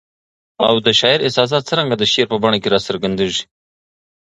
او د شاعر احساسات څرنګه د شعر په بڼه کي را څرګندیږي؟